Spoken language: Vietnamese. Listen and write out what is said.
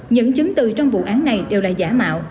những chứng từ trong vụ án này đều là giả mạo